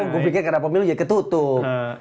gue pikir karena pemilu jadi ketutup